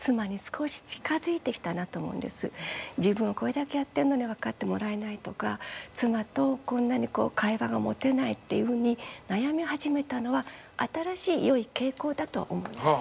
自分はこれだけやってるのに分かってもらえないとか妻とこんなに会話が持てないっていうふうに悩み始めたのは新しいよい傾向だと思います。